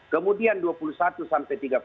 kemudian dua puluh satu sampai tiga puluh